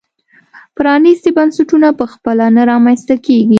پرانیستي بنسټونه په خپله نه رامنځته کېږي.